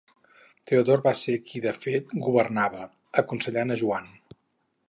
Teodor va ser qui de fet governava, aconsellant a Joan.